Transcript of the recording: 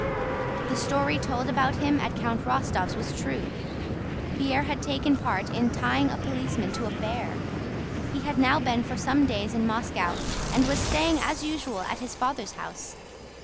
The story told about him at Count Rostóv's was true. Pierre had taken part in tying a policeman to a bear. He had now been for some days in Moscow and was staying as usual at his father's house.